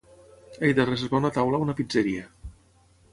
He de reservar una taula a una pizzeria.